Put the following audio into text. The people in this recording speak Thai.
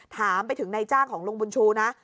ถามไปถึงนายจ้างของลุงบุญชูนะ